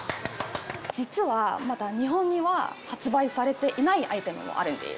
実はまだ日本には発売されていないアイテムもあるんです。